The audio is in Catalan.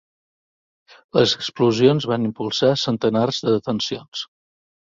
Les explosions van impulsar centenars de detencions.